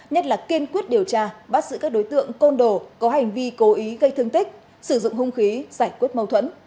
nhất là kiên quyết điều tra bắt giữ các đối tượng côn đồ có hành vi cố ý gây thương tích sử dụng hung khí giải quyết mâu thuẫn